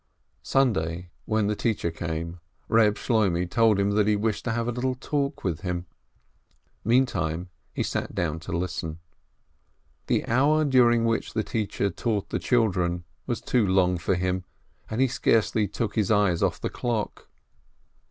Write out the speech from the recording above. ... Sunday, when the teacher came, Eeb Shloimeh told him that he wished to have a little talk with him. Mean time he sat down to listen. The hour during which the teacher taught the children was too long for him, and he scarcely took his eyes off the clock.